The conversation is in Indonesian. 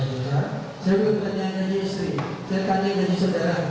saya bukan berani gaji istri saya tanya gaji saudara